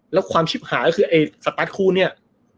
แล้วความชิบหายคือสตั๊ดคู่เนี่ย